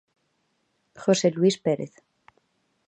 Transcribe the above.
José Luís Pérez.